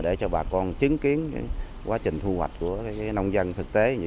để cho bà con chứng kiến quá trình thu hoạch của nông dân thực tế